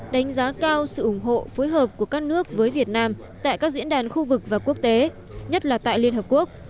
đánh giá cao sự ủng hộ phối hợp của các nước với việt nam tại các diễn đàn khu vực và quốc tế nhất là tại liên hợp quốc